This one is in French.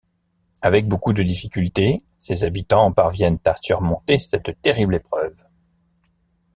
Avec beaucoup de difficultés, ses habitants parviennent à surmonter cette terrible épreuve.